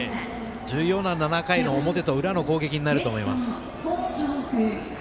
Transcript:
重要な７回表と裏の攻撃になると思います。